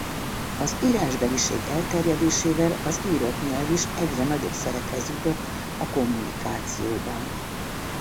Az írásbeliség elterjedésével az írott nyelv is egyre nagyobb szerephez jutott a kommunikációban.